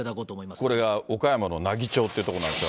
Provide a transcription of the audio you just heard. これは岡山の奈義町という所なんですが。